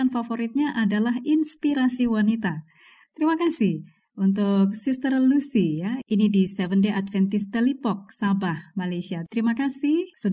marilah siapa yang mau